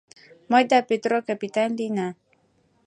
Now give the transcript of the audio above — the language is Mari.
— Мый да Петро капитан лийына.